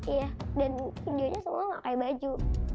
iya dan videonya semua nggak kayak baju